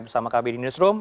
bersama kami di newsroom